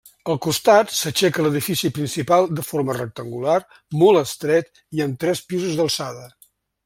Al costat s'aixeca l'edifici principal de forma rectangular, molt estret, i amb tres pisos d'alçada.